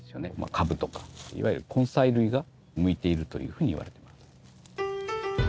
かぶとかいわゆる根菜類が向いているというふうにいわれてます。